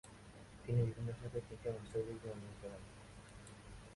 তিনি বিভিন্ন শাখায় তিনটি মাস্টার্স ডিগ্রি অর্জন করেন।